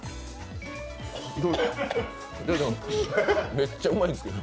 めっちゃうまいんですけど。